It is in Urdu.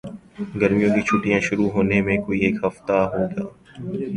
گرمیوں کی چھٹیاں شروع ہونے میں کوئی ایک ہفتہ ہو گا